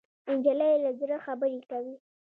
نجلۍ له زړه خبرې کوي.